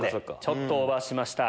ちょっとオーバーしました。